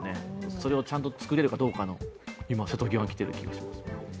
それがちゃんと作れるかどうか瀬戸際にきていると思います。